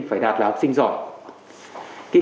phải đạt là học sinh giỏi